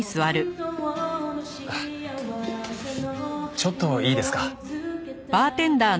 ちょっといいですか？